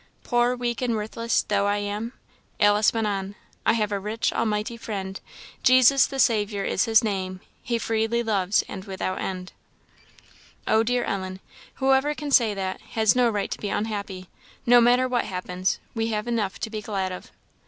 'Poor, weak, and worthless, though I am.' " Alice went on: " 'I have a rich, almighty Friend, Jesus the Saviour is his name, He freely loves, and without end.' "Oh, dear Ellen, whoever can say that, has no right to be unhappy. No matter what happens, we have enough to be glad of."